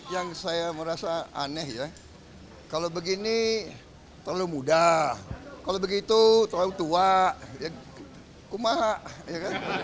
yang saya merasa aneh ya kalau begini terlalu mudah kalau begitu terlalu tua kumaha